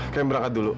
kami berangkat dulu